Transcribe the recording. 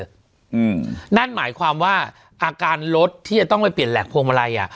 อืมนั่นหมายความว่าอาการรถที่จะต้องไปเปลี่ยนแหลกพวงมาลัยอ่ะ